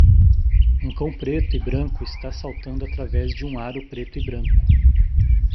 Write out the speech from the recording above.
Um cão preto e branco está saltando através de um aro preto e branco.